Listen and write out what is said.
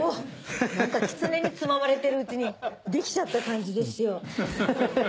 何かキツネにつままれてるうちにできちゃった感じですよ。